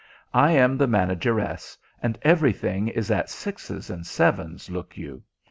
"I am the manageress, and everything is at sixes and sevens, look you.